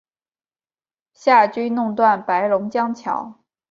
夏军弄断白龙江桥。